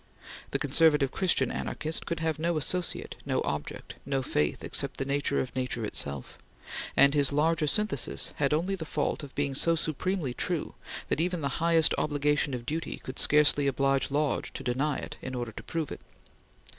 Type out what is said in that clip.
The conservative Christian anarchist could have no associate, no object, no faith except the nature of nature itself; and his "larger synthesis" had only the fault of being so supremely true that even the highest obligation of duty could scarcely oblige Bay Lodge to deny it in order to prove it.